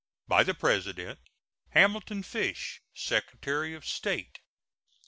By the President: HAMILTON FISH, Secretary of State.